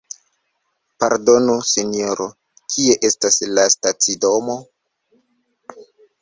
Pardonu sinjoro, kie estas la stacidomo?